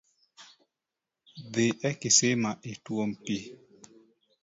Dhi e kisima ituom pii